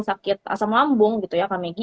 sakit asam lambung gitu ya kak megi